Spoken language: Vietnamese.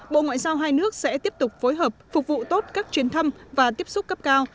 bộ ngoại giao hai nước sẽ tiếp tục phối hợp phục vụ tốt các chuyến thăm và tiếp xúc cấp cao